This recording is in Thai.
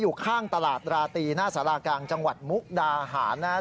อยู่ข้างตลาดราตรีหน้าสารากลางจังหวัดมุกดาหารนะครับ